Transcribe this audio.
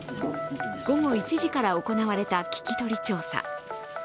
午後１時から行われた聞き取り調査。